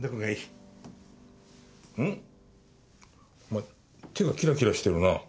お前手がキラキラしてるな。